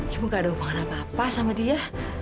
ibu gak ada hubungan apa apa sama dia